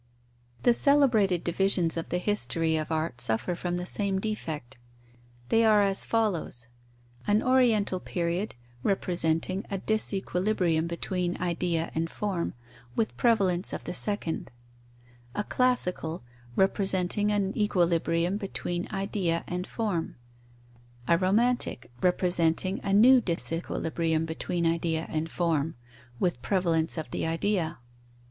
The celebrated divisions of the history of art suffer from the same defect. They are as follows: an oriental period, representing a disequilibrium between idea and form, with prevalence of the second; a classical, representing an equilibrium between idea and form; a romantic, representing a new disequilibrium between idea and form, with prevalence of the idea.